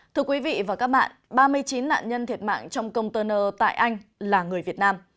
thưa quý vị và các bạn ba mươi chín nạn nhân thiệt mạng trong công tơ nơ tại anh là người việt nam